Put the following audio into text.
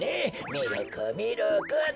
ミルクミルクっと。